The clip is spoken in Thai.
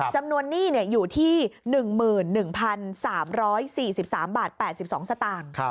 จำนวนนี่อยู่ที่๑๑๓๔๓บาท๘๒สตางค์